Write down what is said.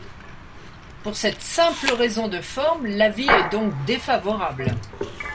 Pour cette simple raison de forme, l’avis est donc défavorable.